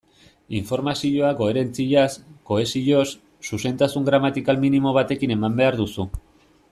Informazioa koherentziaz, kohesioz, zuzentasun gramatikal minimo batekin eman behar duzu.